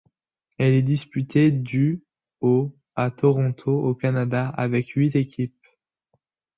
Elle est disputée du au à Toronto au Canada avec huit équipes.